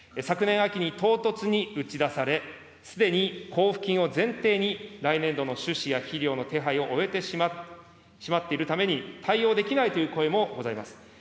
昨年秋に唐突に打ち出され、すでに交付金を前提に、来年度の種子や肥料の手配を終えてしまっているために、対応できないという声もございます。